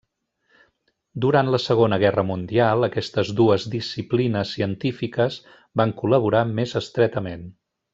Durant la Segona Guerra Mundial aquestes dues disciplines científiques van col·laborar més estretament.